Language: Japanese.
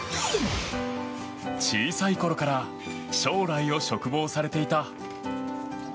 小さいころから将来を嘱望されていた。